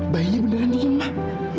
bayinya beneran diam